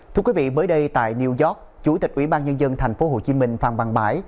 thưa quý vị mới đây tại new york chủ tịch ủy ban nhân dân thành phố hồ chí minh phạm văn bãi